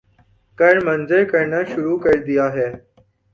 کر منظم کرنا شروع کر دیا ہے۔